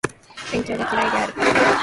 勉強が嫌いである